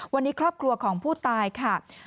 วันนี้ครอบครัวของผู้ตายค่ะ